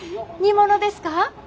煮物ですか？